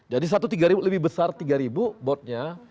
jadi satu ribu lebih besar tiga ribu robotnya